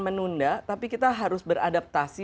menunda tapi kita harus beradaptasi